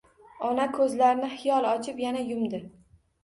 Ona ko‘zlarini xiyol ochib, yana yumdi